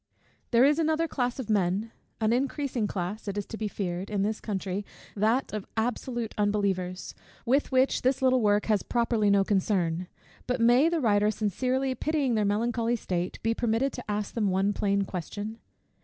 _ There is another class of men, an increasing class, it is to be feared, in this country, that of absolute unbelievers, with which this little work has properly no concern: but may the writer, sincerely pitying their melancholy state, be permitted to ask them one plain question?